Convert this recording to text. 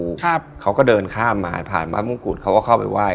ครับเขาก็เดินข้ามมาผ่านพระมงกุฎเขาก็เข้าไปไหว้